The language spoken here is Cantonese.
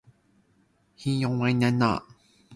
買雞洗唔洗自備袋？